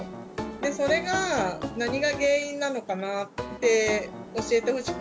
それが何が原因なのかなって教えてほしくて。